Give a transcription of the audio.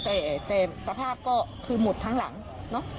แต่สภาพก็คือหมดทั้งหลังเนอะ